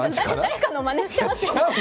誰かのまねしてません？